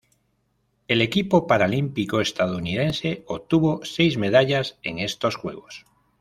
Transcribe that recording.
El equipo paralímpico estadounidense obtuvo seis medallas en estos Juegos.